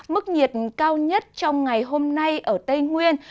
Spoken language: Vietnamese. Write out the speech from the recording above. mức nhiệt cao nhất trong ngày hôm nay ở tây nguyên